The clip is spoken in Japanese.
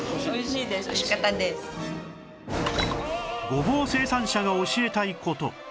ごぼう生産者が教えたい事